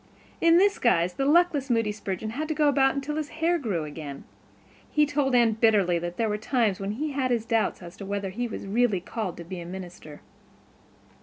In this guise the luckless Moody Spurgeon had to go about until his hair grew again. He told Anne bitterly that there were times when he had his doubts as to whether he was really called to be a minister.